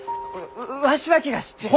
わしだけが知っちゅう。